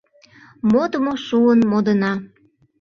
Модмо шуын модына.